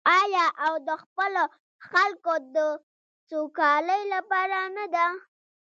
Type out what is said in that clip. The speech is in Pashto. آیا او د خپلو خلکو د سوکالۍ لپاره نه ده؟